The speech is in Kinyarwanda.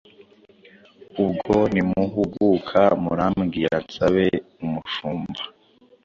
Ubwo nimuhuguka murambwira nsabe umushumba